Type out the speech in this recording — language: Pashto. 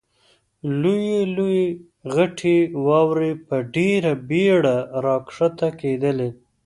لویې لویې غټې واورې په ډېره بېړه را کښته کېدلې.